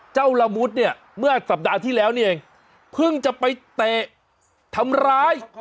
ละมุดเนี่ยเมื่อสัปดาห์ที่แล้วนี่เองเพิ่งจะไปเตะทำร้าย